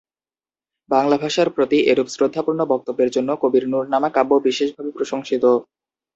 বাংলা ভাষার প্রতি এরূপ শ্রদ্ধাপূর্ণ বক্তব্যের জন্য কবির নূরনামা কাব্য বিশেষভাবে প্রশংসিত।